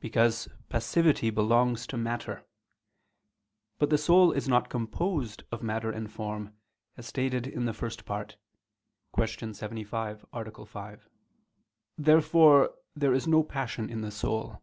Because passivity belongs to matter. But the soul is not composed of matter and form, as stated in the First Part (Q. 75, A. 5). Therefore there is no passion in the soul.